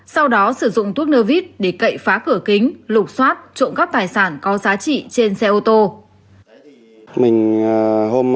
sau đó sử dụng thuốc nơ vít để cậy phá cửa kính lục xoát trộm cắp tài sản có giá trị trên xe ô tô